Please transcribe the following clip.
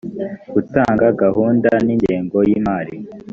gutanga gahunda n’ingengo y’imari